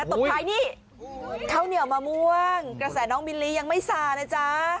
โอ้โหต่อไปนี่เข้าเหนียวมะม่วงกระแสน้องมิลลียังไม่สานะจ๊ะ